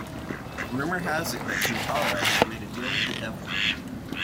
Rumor has it that Kintaro has made a deal with the devil.